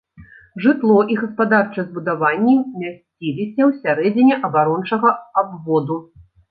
Жытло і гаспадарчыя збудаванні мясціліся ўсярэдзіне абарончага абводу.